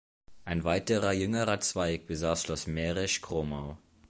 Ein weiterer jüngerer Zweig besaß Schloss Mährisch Kromau.